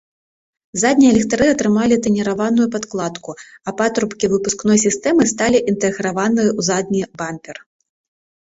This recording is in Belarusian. Заднія ліхтары атрымалі таніраваную падкладку, а патрубкі выпускной сістэмы сталі інтэграваныя ў задні бампер.